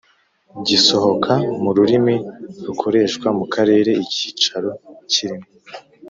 gisohoka mu rurimi rukoreshwa mu karere icyicaro kirimo